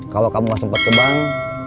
kalau kamu gak sempat ke bank